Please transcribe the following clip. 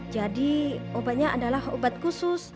jadi obatnya adalah obat khusus